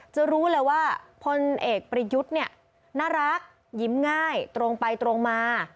จะรู้เลยว่าพลเอกประยุทธ์เนี่ยน่ารักยิ้มง่ายตรงไปตรงมา